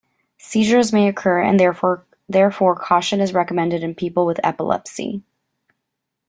Seizures may occur and therefore caution is recommended in people with epilepsy.